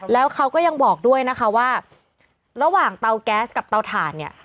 แล้วเขาก็ยังบอกด้วยนะคะว่าระหว่างเตาแก๊สกับเตาถ่านเนี่ย